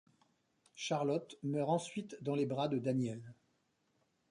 Charlotte meurt ensuite dans les bras de Daniel.